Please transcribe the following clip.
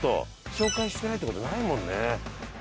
紹介してないって事ないもんね。